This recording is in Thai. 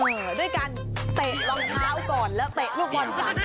เออด้วยการเตะรองเท้าก่อนแล้วเตะลูกบอลก่อนที่หลัง